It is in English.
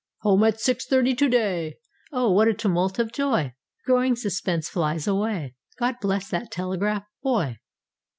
'Home at six thirty to day.' Oh, what a tumult of joy! Growing suspense flies away, God bless that telegraph boy!